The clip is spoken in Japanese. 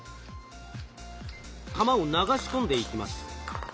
玉を流し込んでいきます。